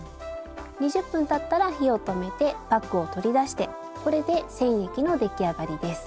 ２０分たったら火を止めてパックを取り出してこれで染液の出来上がりです。